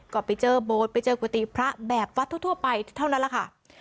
ก็ไปเจอโบสถ์ไปเจอกุฏิพระแบบวัดทั่วไปเท่านั้นแหละค่ะ